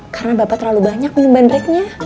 karena bapak terlalu banyak minuman dreknya